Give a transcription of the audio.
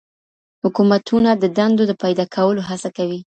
حکومتونه د دندو د پیدا کولو هڅه کوي.